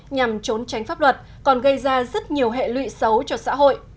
nhằm trốn tránh pháp luật còn gây ra rất nhiều hệ lụy xấu cho xã hội